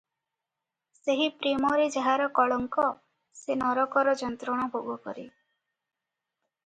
ସେହି ପ୍ରେମରେ ଯାହାର କଳଙ୍କ, ସେ ନରକର ଯନ୍ତ୍ରଣା ଭୋଗ କରେ ।"